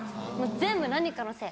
全部何かのせい。